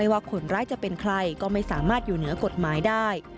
ว่าคนร้ายจะเป็นใครก็ไม่สามารถอยู่เหนือกฎหมายได้